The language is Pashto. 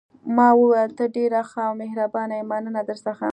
ما وویل: ته ډېره ښه او مهربانه یې، مننه درڅخه.